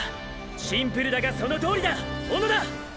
シンプルだがそのとおりだ小野田！！